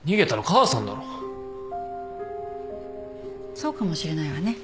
そうかもしれないわね。